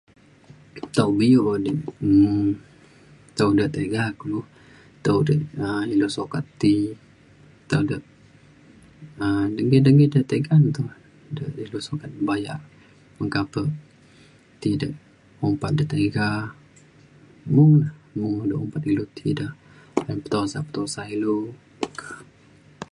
tau bio o di um tau de tiga kulu tau de um ilu sukat ti taga dengi dengi de tiga te de ilu sukat bayak meka pe ti de ompa de tiga [unintelligible] de ukat ilu ti de ayen petusa petusa ilu